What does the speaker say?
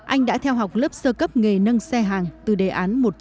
anh đã theo học lớp sơ cấp nghề nâng xe hàng từ đề án một nghìn chín trăm năm mươi sáu